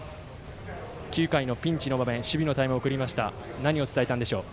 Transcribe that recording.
９回のピンチの場面守備のタイムを取って何を伝えたんでしょう。